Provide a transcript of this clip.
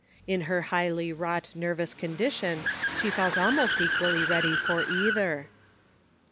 In her highly wrought nervous condition she felt almost equally ready for either.